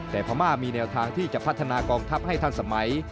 แต่พม่ามีแนวทางที่จะพัฒนากองทัพให้ทันสมัย